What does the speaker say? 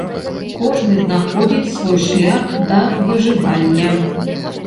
Кожны знаходзіць свой шлях да выжывання.